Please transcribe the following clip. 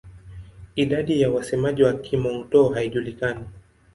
Idadi ya wasemaji wa Kihmong-Dô haijulikani.